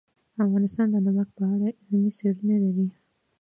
افغانستان د نمک په اړه علمي څېړنې لري.